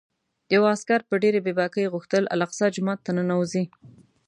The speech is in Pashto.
یوه عسکر په ډېرې بې باکۍ غوښتل الاقصی جومات ته ننوځي.